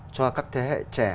cho các thế hệ trẻ